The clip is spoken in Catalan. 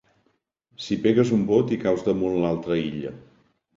Si pegues un vot i caus damunt l’altra illa.